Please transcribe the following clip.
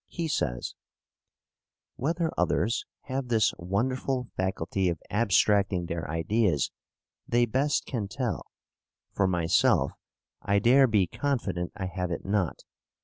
He says: "Whether others, have this wonderful faculty of abstracting their ideas, they best can tell: for myself, I dare be confident I have it not.